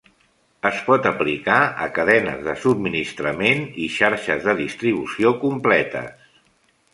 Es pot aplicar a cadenes de subministrament i xarxes de distribució completes.